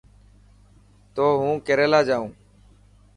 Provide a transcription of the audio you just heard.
تون هون ڪيريلا جائون.